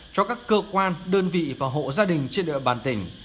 cho các cơ quan đơn vị và hộ gia đình trên địa bàn tỉnh